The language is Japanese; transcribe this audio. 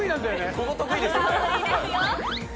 ここ得意ですよね。